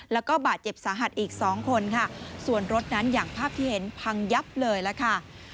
แล้วก็บาดเจ็บสาหัสอีกสองคนค่ะส่วนรถนั้นอย่างภาพที่เห็นพังยับเลยล่ะค่ะ